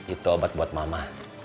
itu obat buat mama